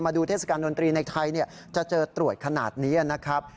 ดูเทศกาลดนตรีในไทยจะเจอตรวจขนาดนี้นะครับ